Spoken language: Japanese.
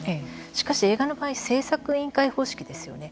しかし映画の製作委員会方式ですよね。